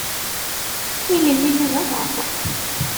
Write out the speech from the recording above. Ilel-nni d aẓerwal.